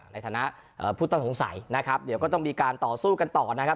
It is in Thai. ในฐานะผู้ต้องสงสัยนะครับเดี๋ยวก็ต้องมีการต่อสู้กันต่อนะครับ